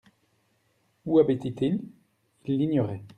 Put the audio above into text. Où habitait-il ? Il l'ignorait.